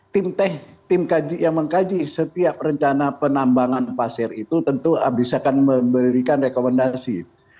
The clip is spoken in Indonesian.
tim teh tim kaji yang mengkaji setiap rencana penambangan pasir itu tentu bisa kan memberikan rekomendasi